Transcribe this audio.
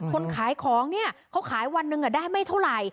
คนขายของเนี่ยเขาขายวันหนึ่งได้ไม่เท่าไหร่